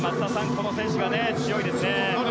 この選手が強いですね。